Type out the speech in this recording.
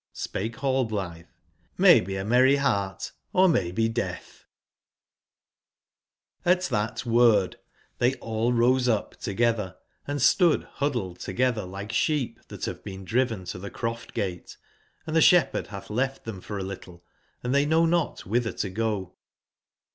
"JS^ Spake Hallblitbe: ''JMaybe a merry beart, or maybe deatb/' jtr tbat word tbey all rose up togctber, and stood buddled togetber like sbeep tbat bave been driven to tbe croft/gate, and tbe sbep berd batb left tbem for a little and tbey know not wbitber to go.